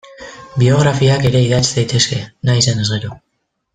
Biografiak ere idatz daitezke nahi izanez gero.